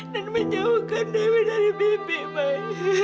dan menjauhkan dewi dari bibi mai